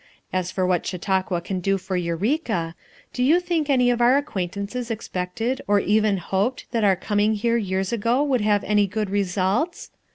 As for what Chau tauqua can do for Eureka, do you think any of our acquaintances expected or even hoped that our coming here years ago would have any good results?